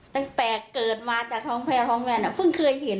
ตั้งแต่เกิดมาจากท้องแพรท้องแว่นเพิ่งเคยเห็น